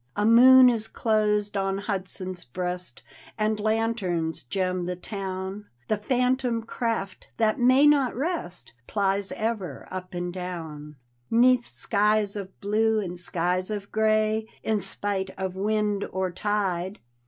A moon is closed on Hudson's breast And lanterns gem the town; The phantom craft that may not rest Plies ever, up and down, 'Neath skies of blue and skies of gray. In spite of wind or tide.